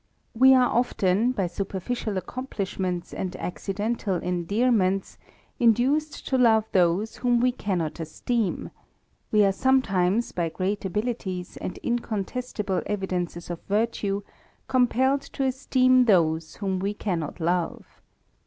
We are often, by superficial accomplishments and accidental endear ments, induced to love those whom we cannot esteem; we are sometimes, by great abilities, and incontestible evidences of virtue, compelled to esteem those whom we cannot love.